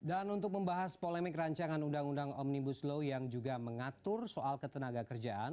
dan untuk membahas polemik rancangan undang undang omnibus law yang juga mengatur soal ketenaga kerjaan